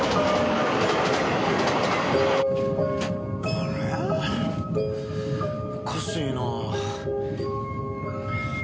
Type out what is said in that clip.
あれおかしいな。